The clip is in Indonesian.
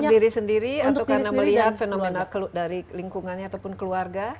diri sendiri atau karena melihat fenomena dari lingkungannya ataupun keluarga